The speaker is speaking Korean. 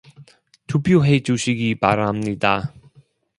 투표해 주시기 바랍니다.